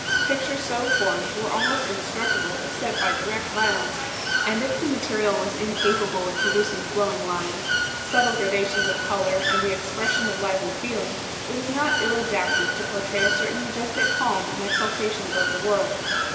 Pictures so formed were almost indestructible except by direct vio lence; and if the material was incapable of producing flowing lines, subtle gradations of colour, and the expres sion of lively feeling, it was not ill adapted to portray a certain majestic calm and exaltation above the world.